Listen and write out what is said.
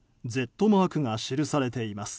Ｚマークが記されています。